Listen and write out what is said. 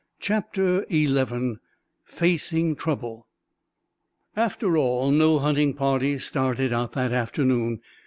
CHAPTER XI FACING TROUBLE After all, no hunting party started out that afternoon.